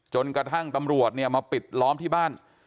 จนกระทั่งตำรวจเนี่ยมาปิดล้อมที่บ้าน